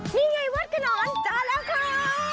นี่ไงวัดขนอนเจอแล้วค่ะ